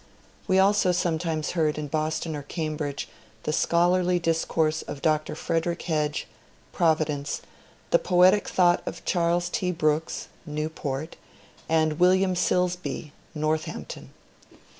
We also sometimes heard in Boston or Cambridge the scholarly discourse of Dr. Fred erick Hedge (Providence), the poetic thought of Charles T. Brooks (Newport), and William Silsbee (Northampton).